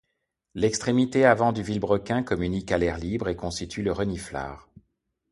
L'extrémité avant du vilebrequin communique à l'air libre et constitue le reniflard.